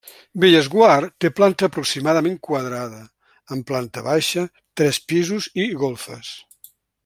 Bellesguard té planta aproximadament quadrada, amb planta baixa, tres pisos i golfes.